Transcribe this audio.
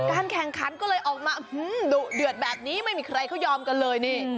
แข่งขันก็เลยออกมาดุเดือดแบบนี้ไม่มีใครเขายอมกันเลยนี่